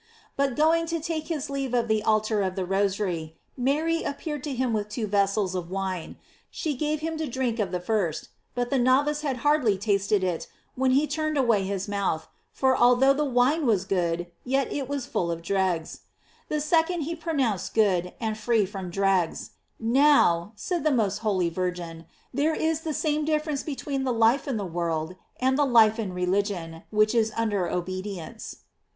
But going to take his leave of the altar of the Rosary, Mary appeared to him with two vessels of wine ; she gave him to drink of the first, but the novice had hardly tasted it, when he turned away his mouth, for although the wine was good, yet it was full of dregs ; the second he pro nounced good, and free from dregs : "Now," said the most holy Virgin, ''there is the same difference between the life in the world, and the life in religion, which is under obedience.